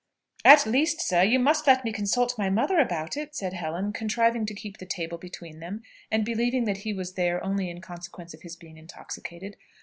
"At least, sir, you must let me consult my mother about it," said Helen, contriving to keep the table between them, and believing that he was there only in consequence of his being intoxicated.